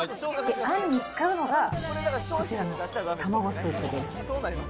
あんに使うのがこちらの卵スープです。